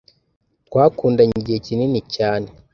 Twakundanye igihe kinini cyane